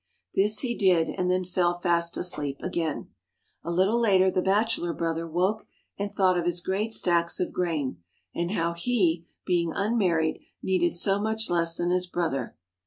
This he did, and then fell fast asleep again. A little later the bachelor brother woke and thought of his great stacks of grain and how he, being unmarried, needed so much less than his brother.